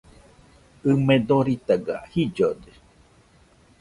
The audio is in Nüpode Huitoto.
ɨme doritaga jillode